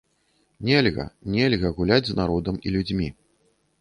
Нельга, нельга гуляць з народам і людзьмі.